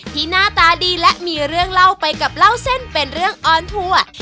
หน้าตาดีและมีเรื่องเล่าไปกับเล่าเส้นเป็นเรื่องออนทัวร์